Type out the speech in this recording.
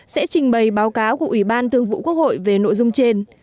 sẽ trình bày báo cáo của ủy ban thường vụ quốc hội về nội dung trên